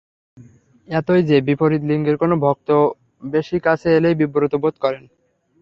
এতই যে, বিপরীত লিঙ্গের কোনো ভক্ত বেশি কাছে এলেই বিব্রত বোধ করেন।